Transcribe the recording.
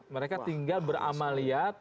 mereka tinggal beramaliat